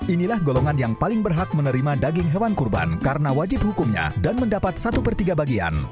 inilah golongan yang paling berhak menerima daging hewan kurban karena wajib hukumnya dan mendapat satu per tiga bagian